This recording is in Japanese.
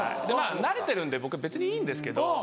慣れてるんで僕別にいいんですけど。